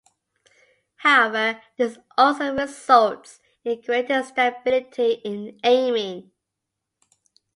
However, this also results in greater stability in aiming.